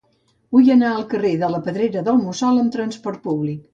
Vull anar al carrer de la Pedrera del Mussol amb trasport públic.